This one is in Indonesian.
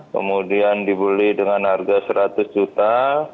kemudian dibeli dengan harga seratus juta